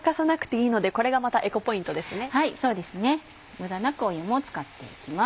無駄なく湯も使って行きます。